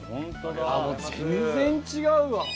あっもう全然違うわ！